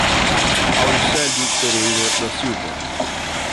Auricelio Pereira da Silva